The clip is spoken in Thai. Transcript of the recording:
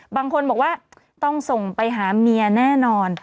บางคนบอกว่าต้องส่งไปหาเมียแน่นอน